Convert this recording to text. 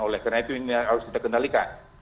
oleh karena itu ini harus kita kendalikan